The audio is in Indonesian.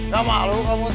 gak malu kamu tuh